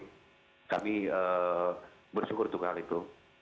jadi kami bersyukur untuk hal itu